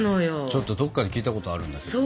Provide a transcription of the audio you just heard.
ちょっとどっかで聞いたことあるんだけど。